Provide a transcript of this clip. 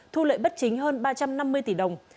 thu lợi bất chính hơn ba trăm năm mươi tỷ đồng